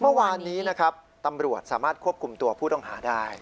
เมื่อวานนี้นะครับตำรวจสามารถควบคุมตัวผู้ต้องหาได้